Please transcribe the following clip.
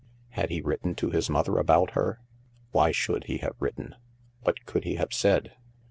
Had he written to his mother about her ? Why should he have written ? What could he have said